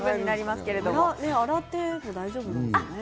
洗っても大丈夫なんですね。